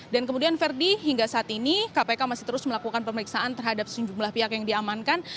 dan kemudian verdi hingga saat ini kpk masih terus melakukan pemeriksaan terhadap sejumlah pihak yang diamankan